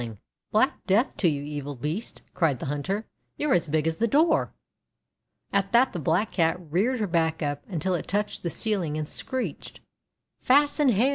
DOGS HAVE LONG TONGUES 347 "Black death to you, evil beast!' cried the hunter. "You're as big as the door!' At that the Black Cat reared her back up until it touched the ceiling, and screeched :— "Fasten hair!